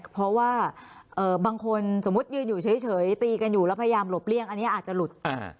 เพราะว่าบางคนสมมุติยืนอยู่เฉยตีกันอยู่แล้วพยายามหลบเลี่ยงอันนี้อาจจะหลุด